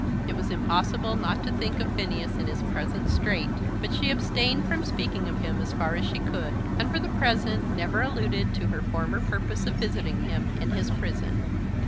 It was impossible not to think of Phineas in his present strait, but she abstained from speaking of him as far as she could, and for the present never alluded to her former purpose of visiting him in his prison.